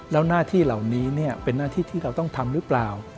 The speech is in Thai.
แล้วหน้าที่เหล่านี้เป็นหน้าที่ที่เราต้องทำหรือเปล่า